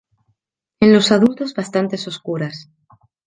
En los adultos bastantes oscuras.